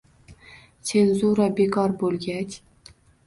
Senzura bekor bo‘lgach